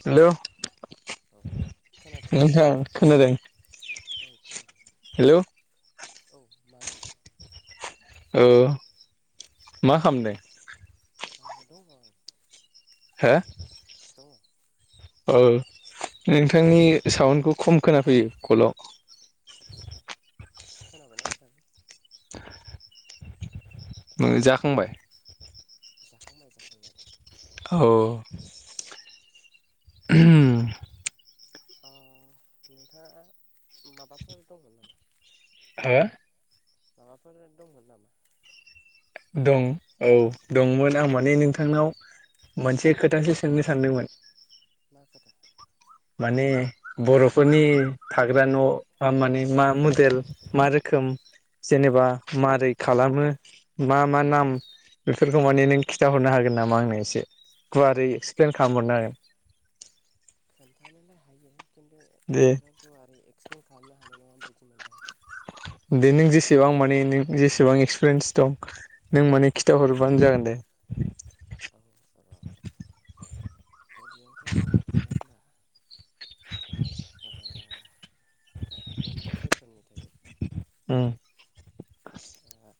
Hello औ खोनादोंना नोंथां खोनादों औ खोनादों हेलौ औ मामोन ओ मा खामदों आ दङ हो [inaudible] ओ नोंथांनि साउन्डखौ खम खोनाफैयो कलाव खोना बायना नोंथां [inaudible] उम जाखांबाय जाखांबाय जाखांनायालाय औ [unintelligible] अ नोंथाङा माबाफोर दङमोन नामा हो माबाफोर दंमोन नामा दं औ दंमोन आं माने नोंथांनाव मोनसे खोथासो सोंनो सानदोंमोन मा खोथा माने बर'फोरनि थाग्रा न आ माने मा मडेल मा रोखोम जेनेबा मारै खालामो मा मा नाम बेफोरखौ माने नों खिन्था हरनो हागोन नामा आंनो एसे गुवारै एक्स प्लेन खालाम हरनो हागोन? खोन्था नोलाय हायो। थु दे एफाग्राब गुवारै एक्सप्लइेन खालामनो हानाय नङा बायदि मोनदां। दे नों जेसेबां माने नों जेसेबां एक्सपिरियेन्स दं नों माने खिन्था हरबानो जागोन दे। औ [unintelligible] यावथ' बुंनो थाङोब्ला, ओ मान दायन रोखोमनि थायो। उम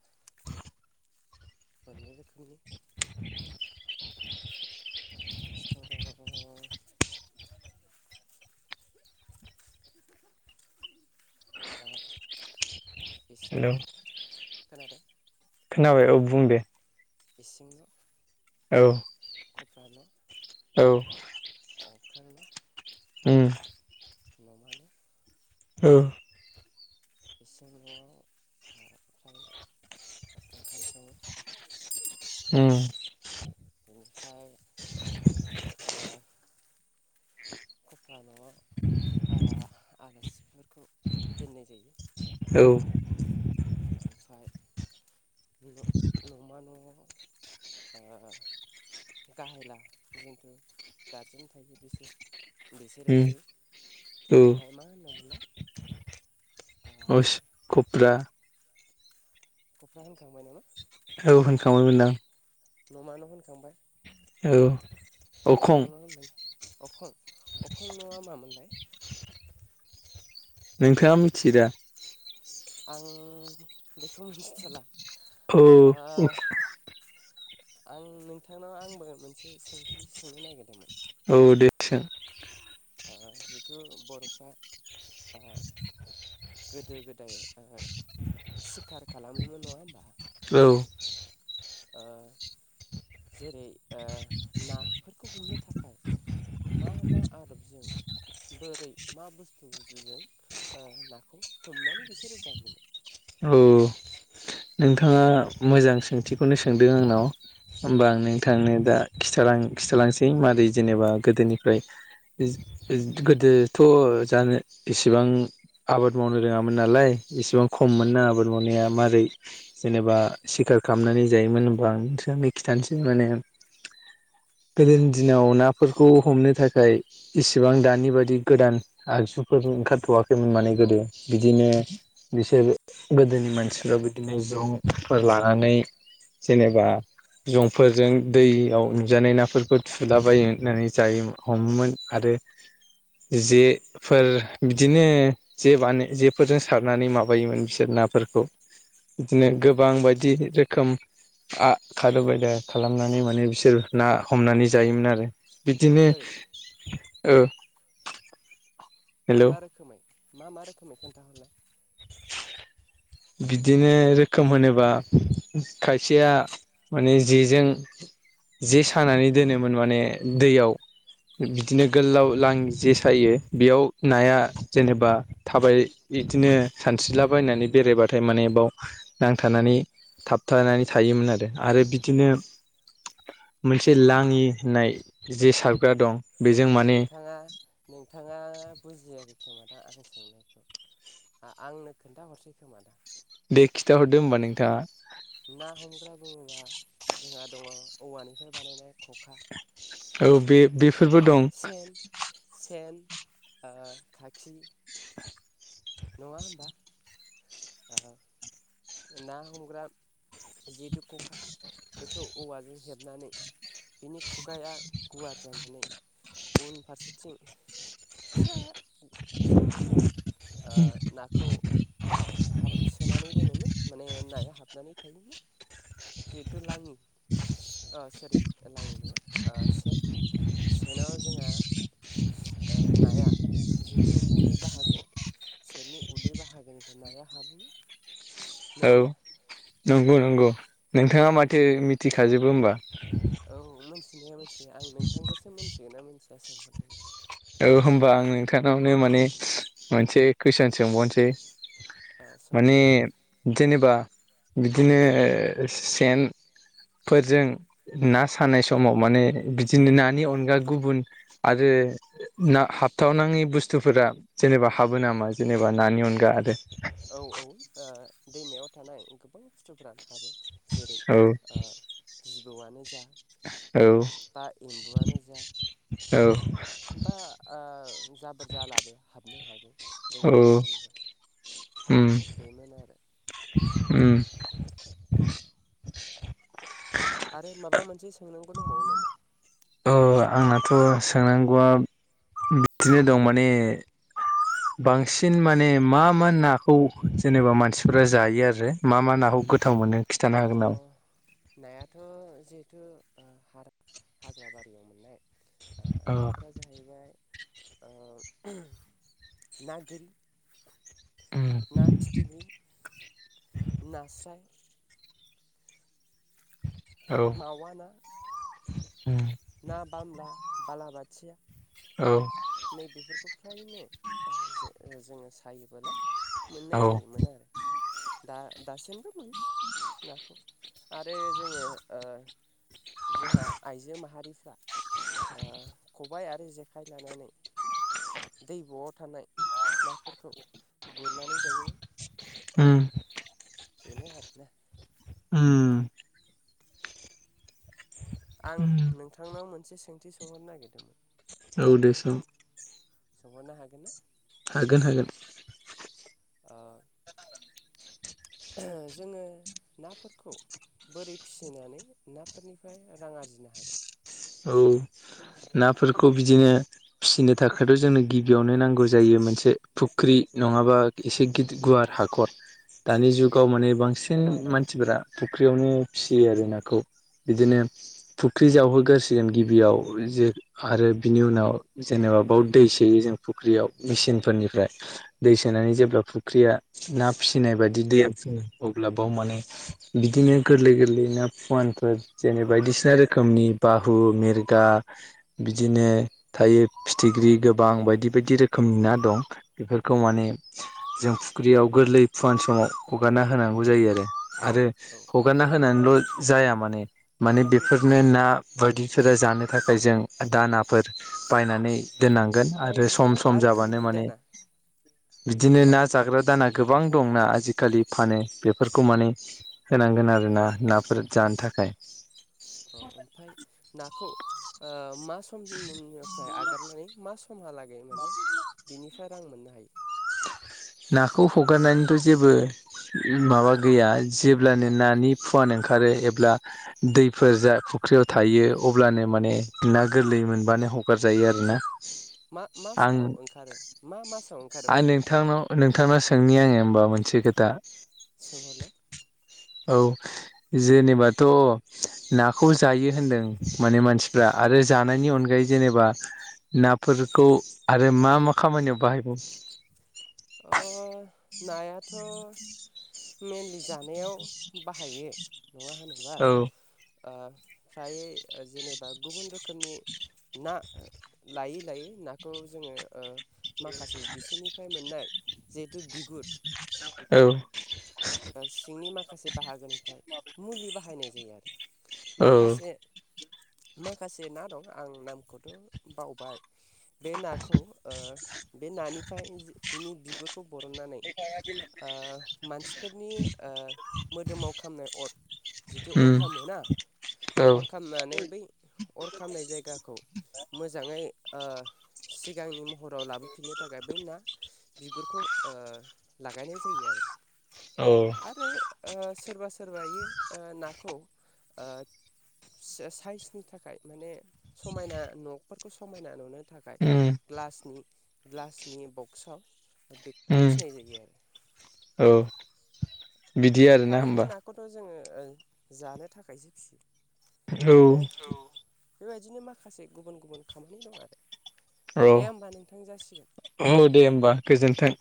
[inaudible] [unintelligible] [inaudible] इसे हेलौ ना खोनादों? खोनाबाय औ बुं दे। इसिं न। औ फाल' औ औ उम न'मानि औ [inaudible] [unintelligible] [inaudible] उम। ओमफ्राय ओ [inaudible] जान' ओ आलासि फोरखौ दोननाय जायो। औ। ओमफ्राय न' नमा न'आव ओ गाहायला जिनथु गारजेन थायो बिसोर बिसोरो थायो उम औ ओमफ्राय मा होनदों मोनलाय अस खफ्रा कफ्रा होनखांबाय नामा? औ होनखां बाय मोनदां। न'मा न होनखांबाय। औ अखं अख्रां न' होन अखं अखं नआ मामोनलाय? नोंथाङा मिथियोदा? आं बेखौ मिथि थला। [unintelligible] आं नोंथांनाव आंबो मोनसे सोंथि सोंनो नागिरदोंमोन? औ दे सों। आ जिथु बर'फ्रा गोदो गोदाय ओ सिखार खालामोमोन, नङा होमबा? औ। ओ जेरै ओ नाफोरखौ हमनो थाखाय मा मा आदबजों बोरै मा बुस्थुजों ओ नाखौ हमनानै बिसोरो जायोमोन? औ नोंथाङा मोजां सोंथिखौनो सोंदों आंनाव होमबा आं नोंथांनो दा खिथालां-खिथालांसै मारै जेनेबा गोदोनिफ्राय इज इज गोदोथ' जानो इसिबां आबाद मावनो रोङामोन नालाय इसिबां खममोनना आबाद मावनाया। मारै जेनेबा सिखार खालामनानै जायोमोन होनबा आं मिथिया [unintelligible] खिथानोसै माने गोदोनि दिनाव नाफोरखौ हमनो थाखाय इसिबां दानि बादि गोदान आगजुफोर ओंखारथ'वाखैमोन माने गोदो। बिदिनो बिसोर गोदोनि मानसिफ्रा बिदिनो जंफोर लानानै जेनेबा जंफोरजों दैयाव नुजानाय नाफोरखौ थुलाबायनानै जायोम' हमोमोन आरो जेफोर बिदिनो जे बाने जेफोरजों सारनानै मा बायोमोन बिसोर नाफोरखौ। बिदिनो गोबां बायदि रोखोम आ खारबायदा खालामनानै माने बिसोर ना हमनानै जायोमोन आरो। बिदिनो बोरै ओ। मा हेलौ मा रोखोमै? मा मा रोखोमै खोनथाहरलाय? बिदिनो रोखोम होनोबा खायसेया माने जेजों जे सानानै दोनोमोन, माने दैयाव बिदिनो गोलाव लाङि जे सायो, बेयाव नाया जेनेबा थाबाय, बिदिनो सानस्रिलाबायनानै बेरा बा थाय माने बाव नांथानानै थाबथानानै थायोमोन आरो। आरो बिदिनो मोनसे लाङि होननाय जे सारग्रा दं। बेजों माने नोंथाङा नोंथाङा बुजियाखै खोमा दा आं सोंनायखौ आं-आंनो खोन्थाहरसै खोमा दा। दे खिथाहरदो होमबा नोंथाङा। ना हमग्रा बुङोबा जोंहा दङ औवानिफ्राय बानायनाय ख'खा। औ बे-बेफोरबो दं। सेन सेन ओ खाखि। नङा होमबा? ओ ना हमग्रा जिहेथु ख'खा बेखौ औवाजों हेबनानै बिनि खुगाया गुवार जानानै उन फारसेथिं फिसा फिसायाव ओ नाखौ हाब सोनानै दोनोमोन, माने नाया हाबनानै थायोमोन। जिहेथु लाङि ओ सोरि लाङि नङा सेन, सेनाव जोंहा ओ नाया जिथु उदै बाहागो सेननि उदै बाहागोनिफ्राय नाया हाबो। औ नंगौ नंगौ। नोंथाङा माथो मिथिखाजोबो होमबा? औ मोनथिनाया मोनथियो। आं नोंथांखौसो मोनथियोना मोन थिया सोंहरदोंमोन। औ होमबा आं नोंथांनावनो माने मोनसे कुइसन सोंबावनोसै। ओ माने सोंहरनाय जेनेबा बिदिनो सेनफोरजों ना सानाय समाव माने बिदिनो नानि अनगा गुबुन आरो ना हाबथावनाङि बुस्थुफोरा जेनेबा हाबो नामा जेनेबा नानि अनगा आरो? औ औ ओ दैमायाव थानाय गोबां बुस्थुफोरानो हाबो। जेरै ओ जिबौआनो जा औ बा एम्बुआनो जा औ बा ओ जाबोर जालाबो हाबनो हागौ। औ दैमायाव सायोबा उम बेमोन आरो उम। [inaudible] आरो माबा मोनसे सोंनांगौ दंबावो नोमा? ओ आंहाथ' सोंनांगौआ बिदिनो दं माने बांसिन माने मा मा नाखौ जेनेबा मानसिफोरा जायो आरो मा मा नाखौ गो गोथाव मोनो खिथानो अ हागोन नामा? नायाथ' जिहेथु ओ हारग हाग्रा बारियाव मोननाय ओ औ नाफोरा जाहैबाय ओ ना गोरि उम ना फिथिग्रि, नास्राय औ मावा ना उम ना बामला, बालाबाथिया औ नै बेेफोरखौ फ्रायनो जे जोङो सायोबोला औ मोननाय जायोमोन आरो दा दासिमबो मोनो नाखौ आरो जोङो ओ जोंहा आइजो माहा रिफ्रा ओ खबाइ आरो जेखाइ लानानै दैब'आव थानाय नाफोरखौ गुरनानै जायोमोन। उम। बेनो आरो ना। उम। आं उम नोंथांनाव मोन से सोंथि सोंहरनो नागिरदोंमोन। औ दे सों। सोंहरनो हागोना? हागोन हागोन। ओ जोङो नाफोरखौ बोरै फिसिनानै नाफोरनिफ्राय रां आरजिनो हागोन? औ नाफोरखौ बिदिनो फिसिनो थाखायथ' जोंनो गि बियावनो नांगौ जायो मोनसे फुख्रि नङाबा एसे गिदिर गुवार हाखर। दानि जुगाव माने बांसिन मानसिफोरा फुख्रियावनो फिसियो आरो नाखौ बिदिनो फुख्रि जावहोगोरसि गोन गिबियाव जे आरो बिनि उनाव जेनेबा बेव दै सोयो जों फुख्रियाव मेसिनफोरनिफ्राय। दै सोनानै जेब्ला फुख्रिया ना फिसिनाय बादि दैया फुङो अब्ला बेयाव माने बिदिनो गोरलै गोरलै ना फुवानफोर जेने बायदिसिना रोखोमनि बा हफु मेरगा बिदिनो थायो फिथिख्रि गोबां बायदि बायदि रोखोमनि ना दं बेफोरखौ माने जों फुख्रियाव गोरलै फुवान समाव हगारना होनांगौ जायो आरो आरो औ हगारना होनानैल' जाया माने माने बेफोरनो ना बायदिफोरा जानो थाखाय जों दानाफोर बायनानै दोननांगोन आ रो सम मा सम जाबानो रोखोमनि माने दाना बिदिनो ना जाग्रा दाना गोबां दं ना आजिखालि फानो बेफोरखौ माने होनांगोन आरोना नाफोर जानो थाखाय। अ ओमफाय ना खौ ओ मा समनि उननिफ्राय आगारनानै मा समहालागै माने बिनिफ्राय रां मोन्नो हायो नाखौ हगारनानैथ' जेबो माबा गैया जेब्लानो नानि फुवान ओंखारो एब्ला दैफोर जा फुख्रियाव थायो अब्लानो माने ना गोरलै मोनबानो हगारजायो आरो ना? मा मा समाव ओंखारो मा मासाव ओंखारो आं फालाय नोंथांनाव नोंथांनाव सोंनि आङो होमबा मोनसे खोथा सोंहरलाय। औ, जेनेबाथ' नाखौ जायो होन्दों माने मानसिफ्रा आरो जानायनि अनगायै जेनेबा नाफोरखौ आरो मा मा खामानियाव बाहायबावो? अ नायाथ' मेनलि जानायाव बाहायो नङा होनब्ला? औ ओ फ्राय जेनेबा गुबुन रोखोमनि ना लायै लायै नाखौ जोङो ओ माखासे बिसिनिफ्राय मोननाय जेथु बिगुर औ। ओ सिंनि माखासे बाहागोनि फाय मुलि बाहायनाय जायो आरो औ माखासे माखासे ना दं आं नामखौथ' बावबाय बे नाखौ ओ बे नानिफ्राय जि बिनि बि खौ बरन्नानै ओ मानसि फोरनि ओ मोदोमाव खामनाय अर जिथु अर उम खामोना औ अर खामनानै बै अर खामनाय जायगाखौ मोजाङै ओ सिगांनि महराव लाबो फिन्नो थाखाय बै‌ ना बिगुरखौ ओ लागायनाय जायो आरो। औ आरो ओ सोरबा सोरबायो ओ नाखौ ओ से-साइसनि थाखाय माने समायना न'फोरखौ समायना नुनो थाखाय उम ग्लासनि ग्लासनि बक्सआव बेखौ उम फिसिनाय जायो आरो। औ बिदि आरो ना फ्रायनो होमबा? नाखौथ' जोङो ओ जानो थाखायसो फिसियो। औ आरो बेबायदिनो माखासे गुबुन गुबुन खामानि दं आरो अ दे होमबा नोंथां जासिगोन औ दे होमबा गोजोन्थों [inaudible]